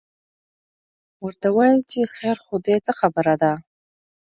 ورته وایي چې خیر خو دی، څه خبره ده؟